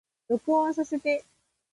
録音させて